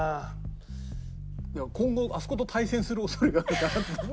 今後あそこと対戦する恐れがあるから。